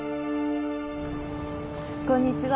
こんにちは。